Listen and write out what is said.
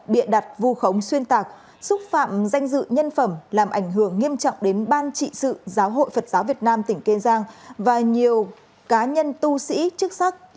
bịa đặt vù khống xuyên tạc xúc phạm danh dự nhân phẩm làm ảnh hưởng nghiêm trọng đến ban trị sự giáo hội phật giáo việt nam tỉnh kiên giang và nhiều cá nhân tu sĩ chức sắc